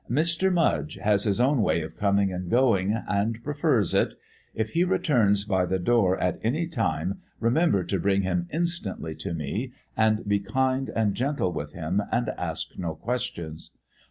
"Mr. Mudge has his own way of coming and going, and prefers it. If he returns by the door at any time remember to bring him instantly to me, and be kind and gentle with him and ask no questions.